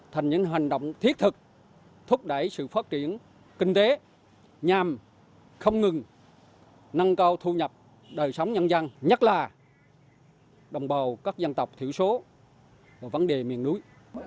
thành những hành động thiết thực thúc đẩy sự phát triển kinh tế nhằm không ngừng nâng cao thu nhập đời sống nhân dân nhất là đồng bào các dân tộc thiểu số vấn đề miền núi